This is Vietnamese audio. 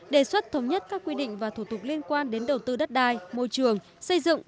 đề xuất thống nhất các quy định và thủ tục liên quan đến đầu tư đất đai môi trường xây dựng